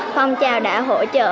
phong trào đã hỗ trợ